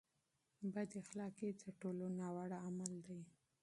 بد اخلاقي تر ټولو ناوړه عمل دی.